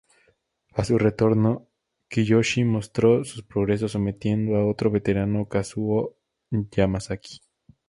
A su retorno, Kiyoshi mostró sus progresos sometiendo a otro veterano, Kazuo Yamazaki.